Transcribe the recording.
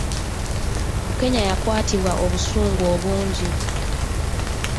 Bukenya yakwatibwa obusungu obungi!